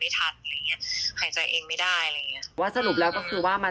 ตรงนี้มันจะมี